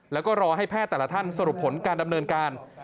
แล้วก็รอให้แพทย์แต่ละท่านสรุปผลการดำเนินการ